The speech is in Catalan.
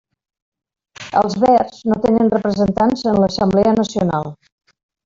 Els Verds no tenen representants en l'Assemblea Nacional.